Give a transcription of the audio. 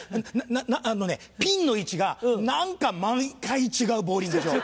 あのねピンの位置が何か毎回違うボウリング場。